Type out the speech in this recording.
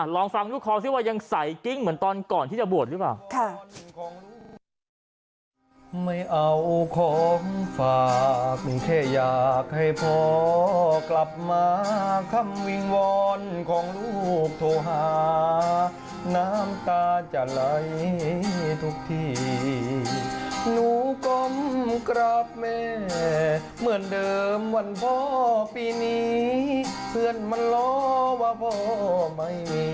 ลองฟังลูกคอซิว่ายังใส่กิ้งเหมือนตอนก่อนที่จะบวชหรือเปล่า